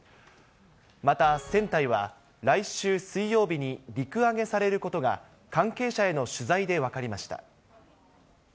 また船体は、来週水曜日に陸揚げされることが、関係者への取材で分かりました。